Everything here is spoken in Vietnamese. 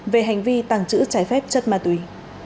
về hành vi tàng trữ trái phép chất ma túy